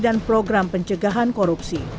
dan program pencegahan korupsi